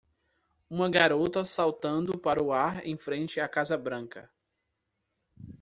Uma garota saltando para o ar em frente à casa Branca.